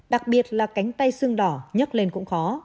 đặc biệt là cánh tay sương đỏ nhấc lên cũng khó